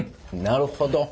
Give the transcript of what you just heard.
なるほど。